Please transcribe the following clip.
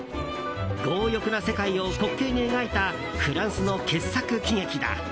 強欲な世界を滑稽に描いたフランスの傑作喜劇だ。